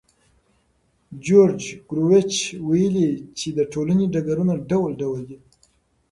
جورج ګوروویچ ویلي چې د ټولنې ډګرونه ډول ډول دي.